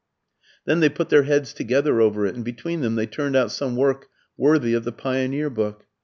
Then they put their heads together over it, and between them they turned out some work worthy of the Pioneer book.